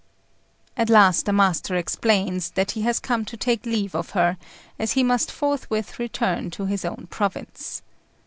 At last the master explains that he has come to take leave of her, as he must forthwith return to his own province.